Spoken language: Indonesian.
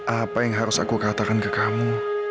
apa yang harus aku katakan ke kamu